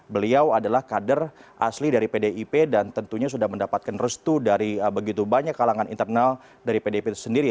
beliau adalah kader asli dari pdip dan tentunya sudah mendapatkan restu dari begitu banyak kalangan internal dari pdip sendiri